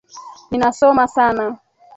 Ninasoma Sana.